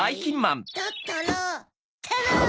だったらタラン！